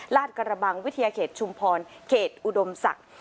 กระบังวิทยาเขตชุมพรเขตอุดมศักดิ์